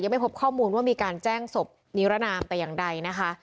ไม่พบข้อมูลว่ามีการแจ้งศพนิรนามแต่อย่างใดนะคะ